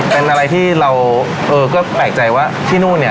เป็นอะไรที่เราเออก็แปลกใจว่าที่นู่นเนี่ย